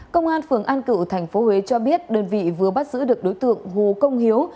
công an phường an cự thành phố huế cho biết đơn vị vừa bắt giữ được đối tượng hồ công hiếu